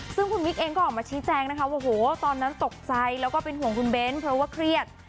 ซึ่งคุณมิ๊กเองก็ออกมาชี้แจงนะคะว่าโหตอนนั้นตกใจแล้วก็เป็นห่วงคุณเบ้นเพราะว่าเครียด